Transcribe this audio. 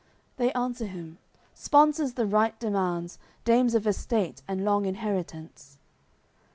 They answer him: "Sponsors the rite demands, Dames of estate and long inheritance."